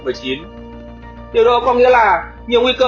điều đó có nghĩa là nhiều nguy cơ